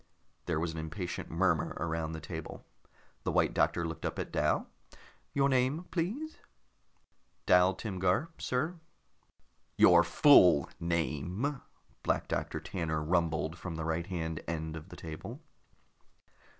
There was an impatient murmur around the table. The White Doctor looked up at Dal. "Your name, please?" "Dal Timgar, sir." "Your full name," Black Doctor Tanner rumbled from the right hand end of the table.